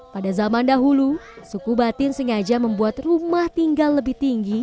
pada zaman dahulu suku batin sengaja membuat rumah tinggal lebih tinggi